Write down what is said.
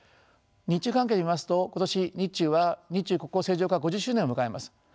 日中関係で見ますと今年日中は日中国交正常化５０周年を迎えます。